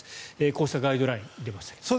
こうしたガイドラインが出ましたが。